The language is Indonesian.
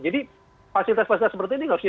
jadi fasilitas fasilitas seperti ini harusnya